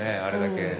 あれだけ。